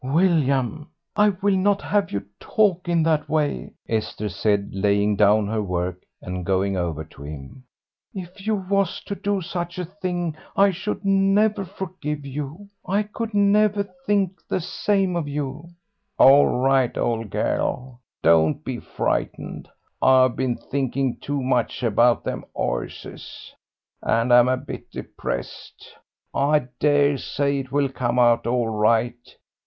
"William, I will not have you talk in that way," Esther said, laying down her work and going over to him. "If you was to do such a thing I should never forgive you. I could never think the same of you." "All right, old girl, don't be frightened. I've been thinking too much about them horses, and am a bit depressed. I daresay it will come out all right.